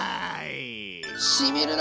しみるな！